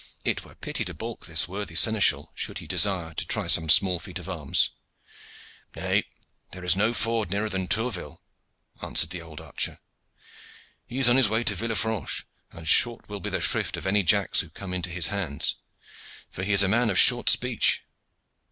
"It were pity to balk this worthy seneschal, should he desire to try some small feat of arms." "Nay, there is no ford nearer than Tourville," answered the old archer. "He is on his way to Villefranche, and short will be the shrift of any Jacks who come into his hands, for he is a man of short speech.